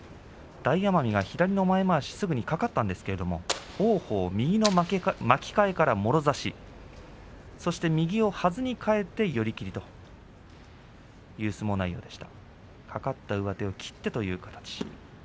大奄美は左の前まわしがすぐかかったんですが王鵬が右の巻き替えからもろ差しそして右をはずに変えて寄り切りという相撲内容でした。